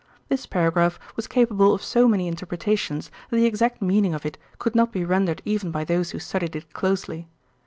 This paragraph was capable of so many interpretations that the exact meaning of it could not be rendered even by those who studied it closely.